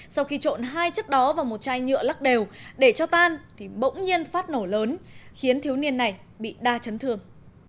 sau khi trộn hai chất đó và một chai nhựa lắc đều để cho tan thì bỗng nhiên phát nổ lớn khiến thiếu niên này bị đa chấn thương